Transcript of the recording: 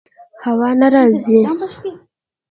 هوا نه راځي